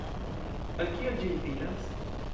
“Al kio ĝi utilas?